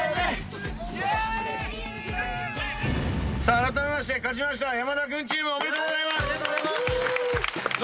あらためまして勝ちました山田君チームおめでとうございます。